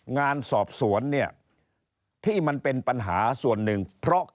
งานสอบส่วนที่มันเป็นปัญหาส่วนหนึ่ง